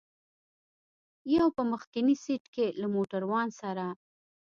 یو په مخکني سېټ کې له موټروان سره.